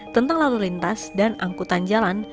tentang lalu lintas dan angkutan jalan